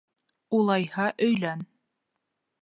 Улайһа, өйлән.